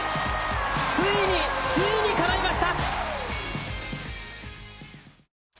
ついに、ついにかないました！